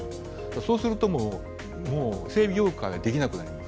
そうすると、整備業務ができなくなる。